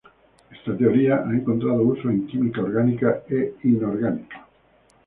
Esta teoría ha encontrado uso en química orgánica e inorgánica.